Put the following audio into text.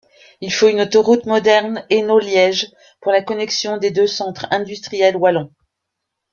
Il faut une autoroute moderne Hainaut-Liège pour la connexion des deux centres industriels wallons.